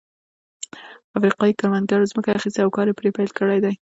افریقايي کروندګرو ځمکه اخیستې او کار یې پرې پیل کړی دی.